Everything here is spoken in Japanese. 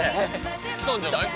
来たんじゃない？